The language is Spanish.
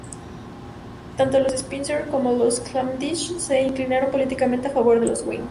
Tanto los Spencer como los Cavendish se inclinaron políticamente a favor de los whigs.